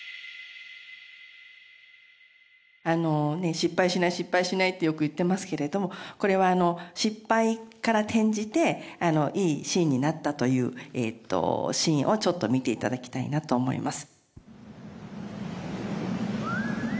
「失敗しない失敗しない」ってよく言ってますけれどこれはあの失敗から転じていいシーンになったというシーンをちょっと見て頂きたいなと思います。